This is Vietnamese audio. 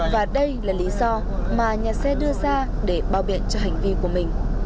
và đây là lý do mà nhà xe đưa ra để bao biện cho hành vi của mình